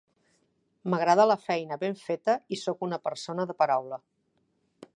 M'agrada la feina ben feta i soc una persona de paraula.